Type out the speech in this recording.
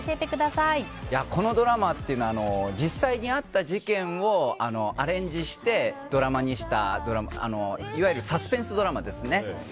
このドラマというのは実際にあった事件をアレンジしてドラマにしたいわゆるサスペンスドラマですね。